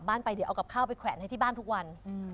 ไปเดี๋ยวเอากับข้าวไปแขวนให้ที่บ้านทุกวัน